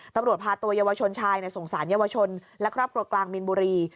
ตำรวจพาตัวเยาวชนชายสงสารเยาวชนและครอบครัวกลางมีนบุรี